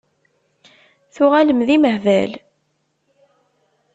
Tuɣalem d imehbal?